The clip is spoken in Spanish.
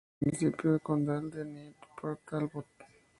Situada en el municipio condal de Neath-Port Talbot.